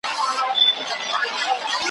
ولاړمه، په خوب کي دُردانې راپسي مه ګوره!.